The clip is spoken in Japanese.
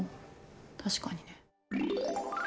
確かにね。